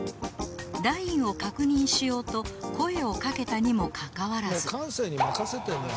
ラインを確認しようと声をかけたにもかかわらず。